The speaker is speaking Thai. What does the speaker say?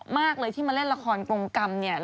มากเลยที่มาเล่นละครกรงกรรมเนี่ย